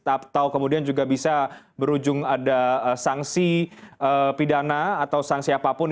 atau kemudian juga bisa berujung ada sanksi pidana atau sanksi apapun